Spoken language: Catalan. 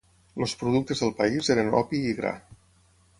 Els productes del país eren opi i gra.